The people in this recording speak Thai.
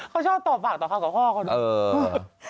เขาชอบต่อปากต่อเขากับพ่อ